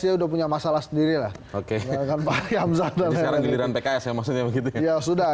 sudah punya masalah sendiri lah oke saya kan paham zat dan pilih rante saya maksudnya begitu ya sudah